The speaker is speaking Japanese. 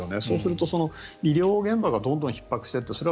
そうすると医療現場がどんどんひっ迫していくと。